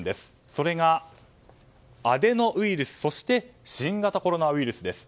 それが、アデノウイルスそして新型コロナウイルスです。